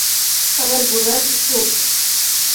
সবাই ঘোড়ার পিঠে উঠো!